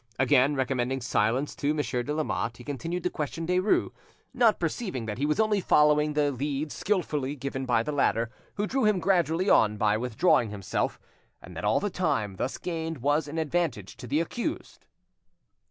Again recommending silence to Monsieur de Lamotte, he continued to question Derues, not perceiving that he was only following the lead skilfully given by the latter, who drew him gradually on by withdrawing himself, and that all the time thus gained was an advantage to the accused.